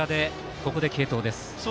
ここで継投です。